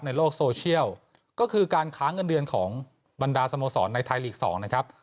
ในโลกโซเชียลก็คือการค้าเงินเดือนของบรรดาสโมสรในไทยลีก๒นะครับ